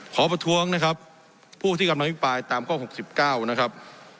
ขอประท้วงนะครับผู้ที่กำลังอภิปรายตามข้อหกสิบเก้านะครับ